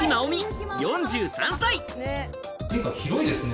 玄関広いですね。